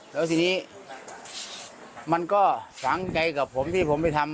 แล้วทีนี้มันก็ฝังใจกับผมที่ผมไปทำ